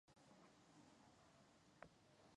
提存期间所产生之综所税亦由宋楚瑜缴纳。